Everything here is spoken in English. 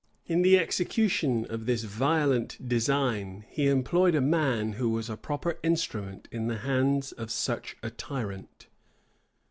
In the execution of this violent design, he employed a man who was a proper instrument in the hands of such a tyrant.